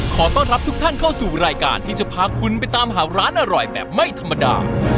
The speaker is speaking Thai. ขอต้อนรับทุกท่านเข้าสู่รายการที่จะพาคุณไปตามหาร้านอร่อยแบบไม่ธรรมดา